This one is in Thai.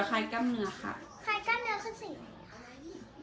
ไข้กำเนื้อเราสิ่งไหนมาก